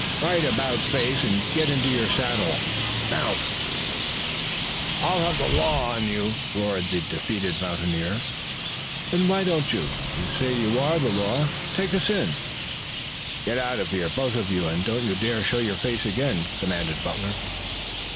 Right about face and get into your saddle. Mount!" "I'll have the law on you!" roared the defeated mountaineer. "Then why don't you? You say you are the law. Take us!" "Get out of here, both of you, and don't you dare show your faces again," commanded Butler.